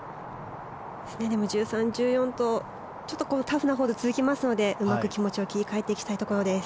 １３、１４とちょっとタフなホールが続きますのでうまく気持ちを切り替えていきたいところです。